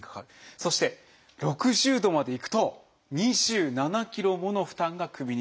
そして６０度までいくと２７ｋｇもの負担が首にかかっていると。